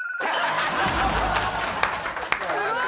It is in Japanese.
すごい！